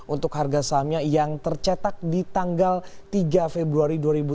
untuk harga sahamnya yang tercetak di tanggal tiga februari dua ribu tujuh belas